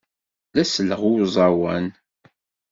La selleɣ i uẓawan.